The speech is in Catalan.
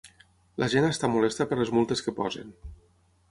La gent està molesta per les multes que posen.